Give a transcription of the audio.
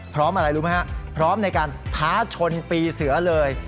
อะไรรู้ไหมฮะพร้อมในการท้าชนปีเสือเลย